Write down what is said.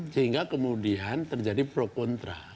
sehingga kemudian terjadi pro kontra